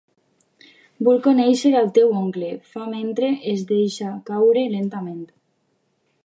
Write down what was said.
Vull conèixer el teu oncle, fa mentre es deixa caure lentament.